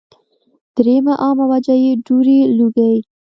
دريمه عامه وجه ئې دوړې ، لوګي